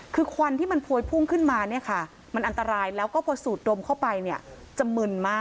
คือควันที่มันพวยพุ่งขึ้นมาเนี่ยค่ะมันอันตรายแล้วก็พอสูดดมเข้าไปเนี่ยจะมึนมาก